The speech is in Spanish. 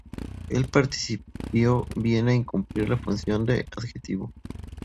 El participio viene a cumplir la función de adjetivo.